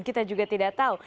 kita juga tidak tahu